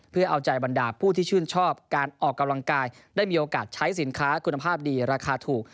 เพื่อเอาใจบรรดาผู้ที่ชื่นชอบการออกกำลังกายได้มีโอกาสใช้สินค้าคุณภาพดีราคาถูก